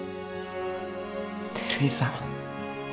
照井さん。